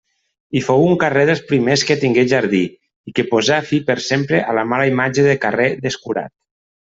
I fou un carrer dels primers que tingué jardí i que posà fi per sempre a la mala imatge de carrer descurat.